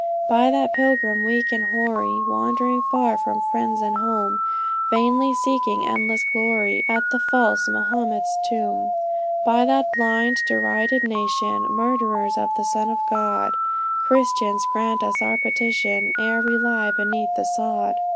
By that pilgrim, weak and hoary, Wandering far from friends and home Vainly seeking endless glory At the false Mahomet's tomb; By that blind, derided nation, Murderers of the Son of God, Christians, grant us our petition, Ere we lie beneath the sod!